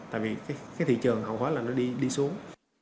tại vì cái thị trường hầu hết là nó đi xuống